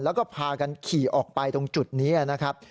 แล้วก็พากันขี่ออกไปตรงจุดนี้นะครับ